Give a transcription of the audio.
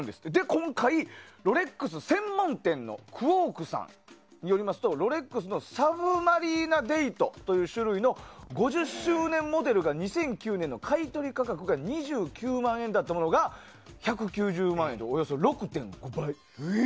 今回、ロレックス専門店のクォークさんによりますとロレックスのサブマリーナーデイトというモデルの種類の５０周年モデルが２００９年の買い取り価格が２９万円だったのが１９０万円とおよそ６．５倍。